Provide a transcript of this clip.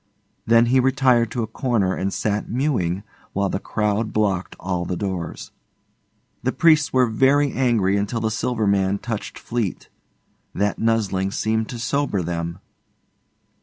Then he retired to a corner and sat mewing while the crowd blocked all the doors. The priests were very angry until the Silver Man touched Fleete. That nuzzling seemed to sober them.